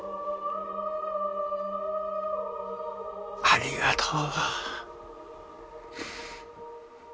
ありがとう。